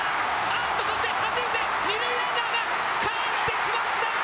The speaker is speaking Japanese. そしてはじいて二塁ランナーが帰ってきました！